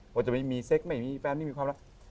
ว่าจะไม่มีเซ็กไม่มีแฟสหรือมีความรัก